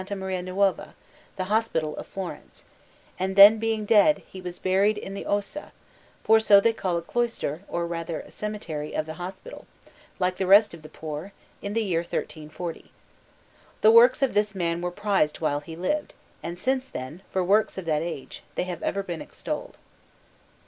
Maria Nuova, the hospital of Florence; and then, being dead, he was buried in the Ossa (for so they call a cloister, or rather cemetery, of the hospital), like the rest of the poor, in the year 1340. The works of this man were prized while he lived, and since then, for works of that age, they have been ever extolled.